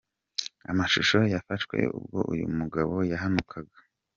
Amashusho yafashwe ubwo uyu mugabo yahanukaga.